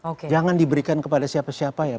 oke jangan diberikan kepada siapa siapa ya